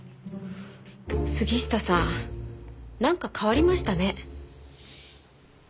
杉下さんなんか変わりましたね。